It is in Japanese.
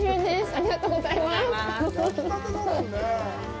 ありがとうございます。